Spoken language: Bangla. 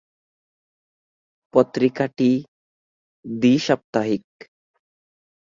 পত্রিকাটি দ্বি-সপ্তাহিক।